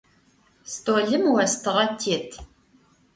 Столым остыгъэ тет.